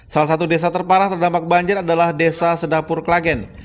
salah satu desa terparah terdampak banjir adalah desa sedapur klagen